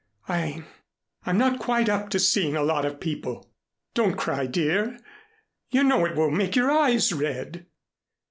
I I'm not quite up to seeing a lot of people. Don't cry, dear. You know it will make your eyes red."